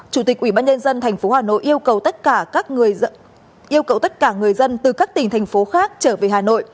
chủ tịch quỹ ban nhân dân tp hà nội yêu cầu tất cả người dân từ các tỉnh thành phố khác trở về hà nội